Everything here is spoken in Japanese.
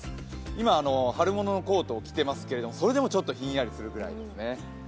今、春物のコートを着ていますけれども、それでもひんやりするくらいですね。